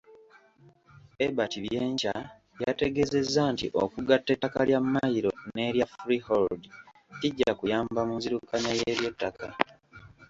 Ebert Byenkya yategeezezza nti okugatta ettaka lya mmayiro n’erya freehold kijja kuyamba mu nzirukanya y’eby'ettaka.